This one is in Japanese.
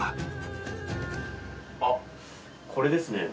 あっこれですね。